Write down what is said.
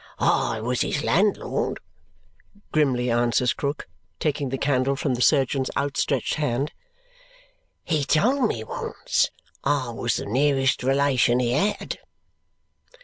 "I was his landlord," grimly answers Krook, taking the candle from the surgeon's outstretched hand. "He told me once I was the nearest relation he had."